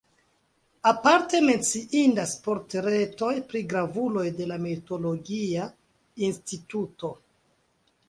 Aparte menciindas portretoj pri gravuloj de la meteologia instituto.